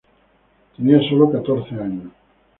Tenía sólo catorce años.